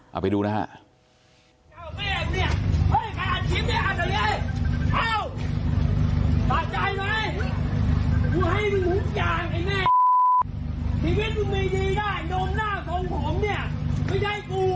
เอาไปดูนะฮะ